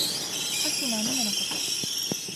さっきのアニメのこと